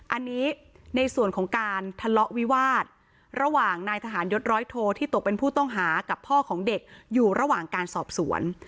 อันนี้ในส่วนของการทะเลาะวิวาสระหว่างนายทหารยศร้อยโทที่ตกเป็นผู้ต้องหากับพ่อของเด็กอยู่ระหว่างการสอบสวน